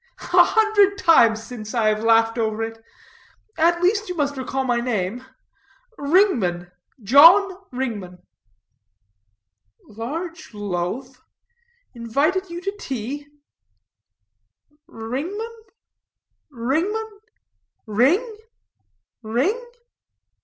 A hundred times since, I have laughed over it. At least you must recall my name Ringman, John Ringman." "Large loaf? Invited you to tea? Ringman? Ringman? Ring? Ring?"